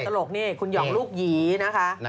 ตลกนี่คุณหย่องลูกหยีนะคะ